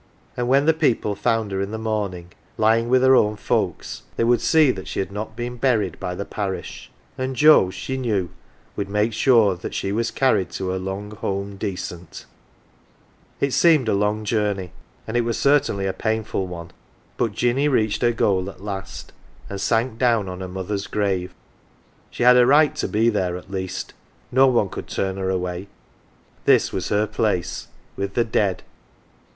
And when the people found her in the morning, lying with her own folks, they would see that she had not been buried by the Parish ; and Joe, she knew, would make sure that she was carried to her long home decent. 165 AUNT JINNY It seemed a long journey, and it was certainly a painful one, but Jinny reached her goal at last, and sank down on her mother's grave. She had a right to be there at least no one could turn her away. This was her place with the dead.